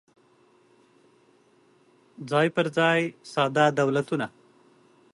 څای پر ځای ساده دولتونه